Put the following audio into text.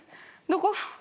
どこ？